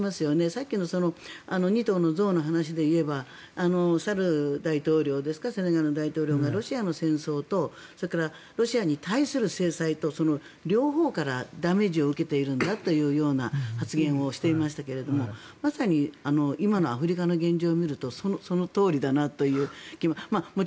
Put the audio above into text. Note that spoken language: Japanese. さっきの２頭の象の話で言えばセネガルのサル大統領がロシアの戦争とそれからロシアに対する制裁と両方からダメージを受けているんだというような発言をしていましたがまさに今のアフリカの現状を見るとそのとおりだなという気も。